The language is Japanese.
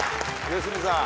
良純さん